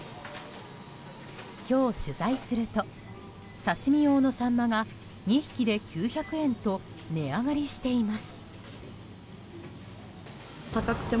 今日、取材すると刺し身用のサンマが２匹で９００円と値上がりしています。